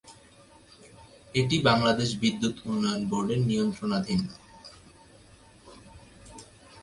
এটি বাংলাদেশ বিদ্যুৎ উন্নয়ন বোর্ডের নিয়ন্ত্রণাধীন।